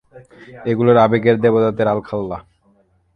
এগুলো আবেগের দেবতাদের আলখাল্লা।